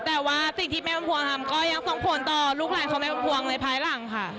แต่ว่าสิ่งที่แม่คุณพ่วงก็ยังส่งผลต่อลูกหลายของแม่คุณพ่วงในพลายหลังค่ะ